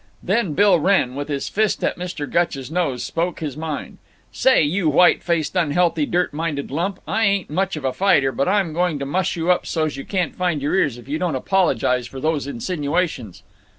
Then Bill Wrenn, with his fist at Mr. Gutch's nose, spoke his mind: "Say, you white faced unhealthy dirty minded lump, I ain't much of a fighter, but I'm going to muss you up so's you can't find your ears if you don't apologize for those insinuations."